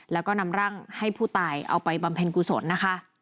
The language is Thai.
แล้วก็นำร่างให้ผู้ตายเอาไปบำเพ็ญกุศลนะคะ